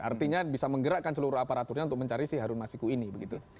artinya bisa menggerakkan seluruh aparaturnya untuk mencari si harun masiku ini begitu